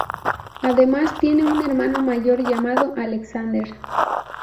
Además, tiene un hermano mayor llamado Alexander.